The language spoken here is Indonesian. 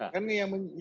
kan ini beda